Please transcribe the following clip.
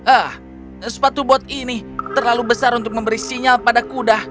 ah sepatu bot ini terlalu besar untuk memberi sinyal pada kuda